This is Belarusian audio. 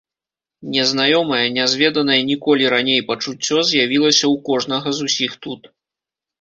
Незнаёмае, нязведанае ніколі раней пачуццё з'явілася ў кожнага з усіх тут.